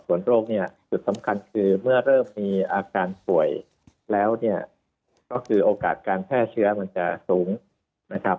ส่วนโรคเนี่ยจุดสำคัญคือเมื่อเริ่มมีอาการป่วยแล้วเนี่ยก็คือโอกาสการแพร่เชื้อมันจะสูงนะครับ